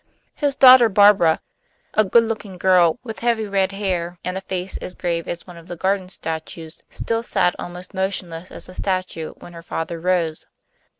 His daughter Barbara, a good looking girl with heavy red hair and a face as grave as one of the garden statues, still sat almost motionless as a statue when her father rose.